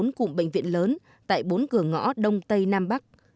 tp hcm đã xây dựng bốn cụm bệnh viện lớn tại bốn cửa ngõ đông tây nam bắc